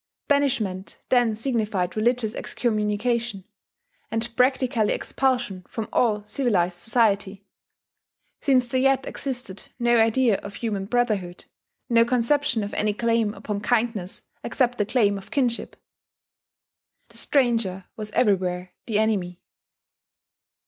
Banishment then signified religious excommunication, and practically expulsion from all civilized society, since there yet existed no idea of human brotherhood, no conception of any claim upon kindness except the claim of kinship. The stranger was everywhere the enemy.